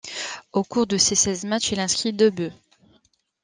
Au cours de ses seize matches, il inscrit deux buts.